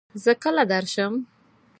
زۀ کله درشم ؟